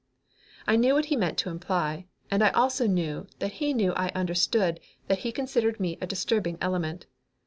I knew what he meant to imply, and I also knew that he knew that I understood that he considered me a disturbing element.